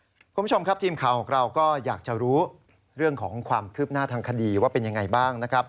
คุณผู้ชมครับทีมข่าวของเราก็อยากจะรู้เรื่องของความคืบหน้าทางคดีว่าเป็นยังไงบ้างนะครับ